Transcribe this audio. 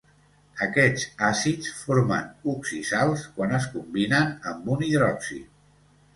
Aquests àcids formen oxisals quan es combinen amb un hidròxid.